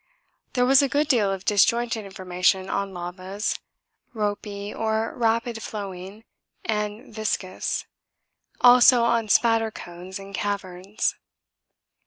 There was a good deal of disjointed information on lavas, ropy or rapid flowing and viscous also on spatter cones and caverns.